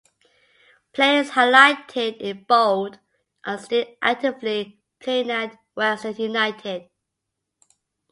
Players highlighted in bold are still actively playing at Western United.